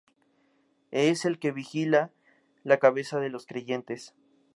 Es el que vigila la cabeza de los creyentes.